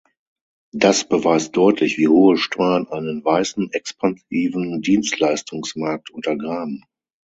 Das beweist deutlich, wie hohe Steuern einen weißen, expansiven Dienstleistungsmarkt untergraben.